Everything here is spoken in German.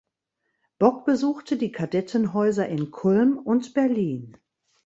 Bock besuchte die Kadettenhäuser in Kulm und Berlin.